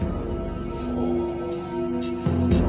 ほう。